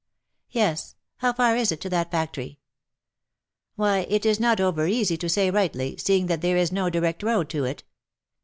" Yes ; how far is it to that factory ?"" Why it is not over easy to say rightly, seeing that there is no direct road to it.